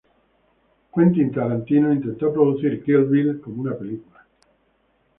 Quentin Tarantino intentó producir "Kill Bill" como una película.